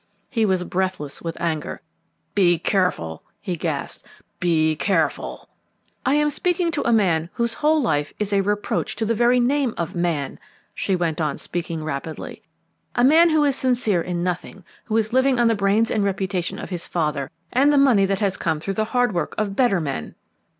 He was breathless with anger. "Be careful!" he gasped. "Be careful!" "I am speaking to a man whose whole life is a reproach to the very name of man!" she went on speaking rapidly. "A man who is sincere in nothing, who is living on the brains and reputation of his father, and the money that has come through the hard work of better men.